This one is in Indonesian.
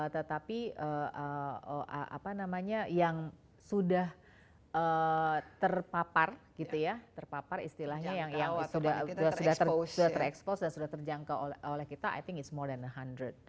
tetapi apa namanya yang sudah terpapar gitu ya terpapar istilahnya yang sudah ter expose dan sudah terjangkau oleh kita i think it's more than seratus